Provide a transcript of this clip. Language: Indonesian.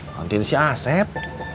nanti ini sih aset